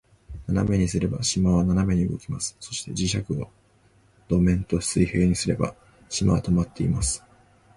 斜めにすれば、島は斜めに動きます。そして、磁石を土面と水平にすれば、島は停まっています。